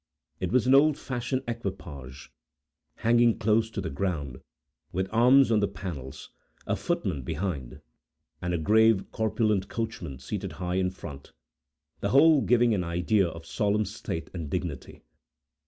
It was an old fashioned equipage, hanging close to the ground, with arms on the panels, a footman behind, and a grave, corpulent coachman seated high in front,—the whole giving an idea of solemn state and dignity.